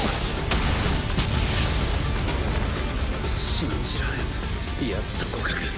信じられんヤツと互角。